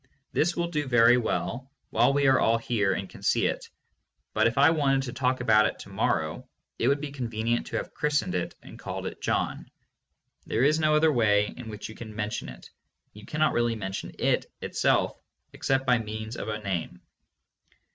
"This" will do very well while we are all here and can see 524 THE MONIST. it, but if I wanted to talk about it to morrow it would be convenient to have christened it and called it "John." There is no other way in which you can mention it. You cannot really mention it itself except by means of a name.